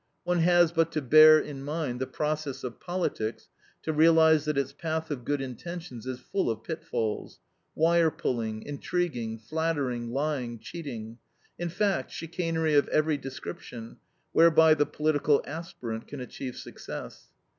One has but to bear in mind the process of politics to realize that its path of good intentions is full of pitfalls: wire pulling, intriguing, flattering, lying, cheating; in fact, chicanery of every description, whereby the political aspirant can achieve success.